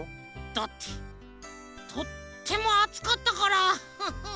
だってとってもあつかったからフフフ。